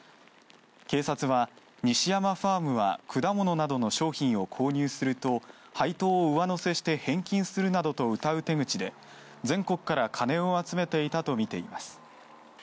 警察は西山ファームは果物などの商品を購入すると配当を上乗せして返金するなどとうたう手口で全国から金を集めていたとみています。